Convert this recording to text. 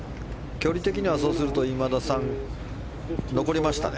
距離的には、そうすると今田さん残りましたね。